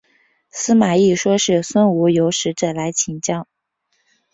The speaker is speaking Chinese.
司马懿说是孙吴有使者来请降。